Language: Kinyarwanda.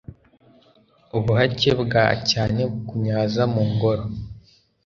ubuhake bwa cyane bukunyaza mu ngoro